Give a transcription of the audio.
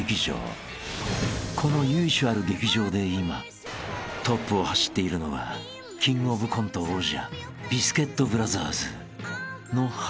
［この由緒ある劇場で今トップを走っているのはキングオブコント王者ビスケットブラザーズのはずなのだが］